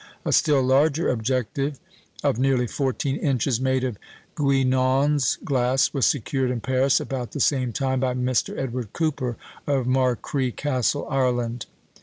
A still larger objective (of nearly 14 inches) made of Guinand's glass was secured in Paris, about the same time, by Mr. Edward Cooper of Markree Castle, Ireland.